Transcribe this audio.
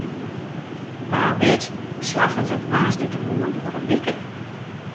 Wa wit slagget it woansdeitemoarn oer in wike.